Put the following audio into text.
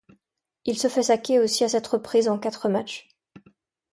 Il se fait sacké aussi à sept reprises en quatre matchs.